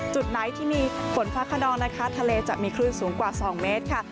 จุดไหนที่มีฝนฟ้าขนองนะคะทะเลจะมีคลื่นสูงกว่า๒เมตรค่ะ